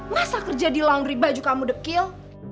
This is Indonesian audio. masa kerja di laundry baju kamu dekill